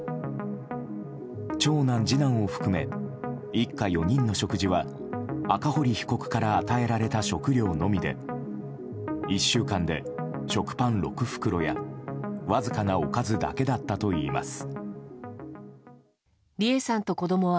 長男、次男を含め一家４人の食事は赤堀被告から与えられた食料のみで１週間で食パン６袋やわずかなおかずだけだったといいます。